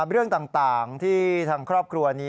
เรื่องต่างที่ทางครอบครัวนี้